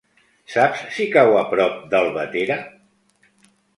Saps si cau a prop d'Albatera?